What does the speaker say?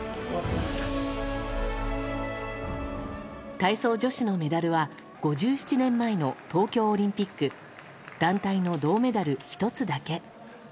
体操女子のメダルは５７年前の東京オリンピック団体の銅メダル１つだけ。